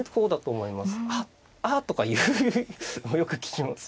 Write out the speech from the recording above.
「はっあ」とか言うのよく聞きます。